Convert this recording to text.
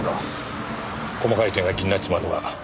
細かい点が気になっちまうのが俺の悪い癖だ。